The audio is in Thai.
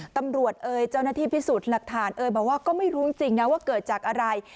เอ่ยเจ้าหน้าที่พิสูจน์หลักฐานเอ่ยบอกว่าก็ไม่รู้จริงนะว่าเกิดจากอะไร